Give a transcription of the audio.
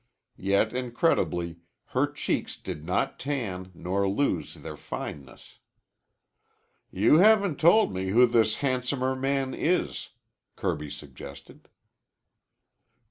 Yet incredibly her cheeks did not tan nor lose their fineness. "You haven't told me who this handsomer man is," Kirby suggested.